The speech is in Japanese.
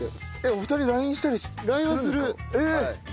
お二人ＬＩＮＥしたりするんですか？